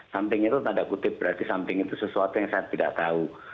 something itu tanda kutip berarti something itu sesuatu yang saya tidak tahu